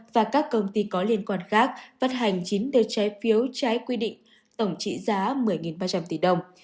và các công ty có liên quan khác phát hành chín đợt trái phiếu trái quy định tổng trị giá một mươi ba trăm linh tỷ đồng